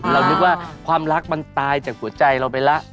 นึกว่าความรักมันตายจากหัวใจเราไปแล้ว